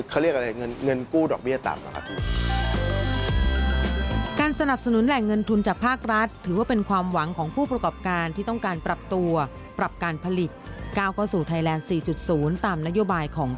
เขาเรียกอะไรเงินกู้ดอกเบี้ยต่ำนะครับ